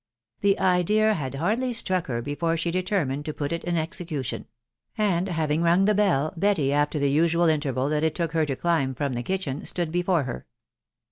The idea had hardly struck her before she determined to pot it in execution ; and having rung the bell, Betty, after the usual interval that it took her to climb from the kitchen, stead before her.